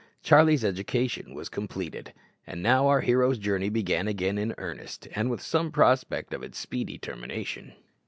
Charlie's education was completed. And now our hero's journey began again in earnest, and with some prospect of its speedy termination.